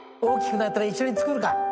大きくなったら一緒に作るか。